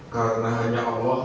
karena hanya allah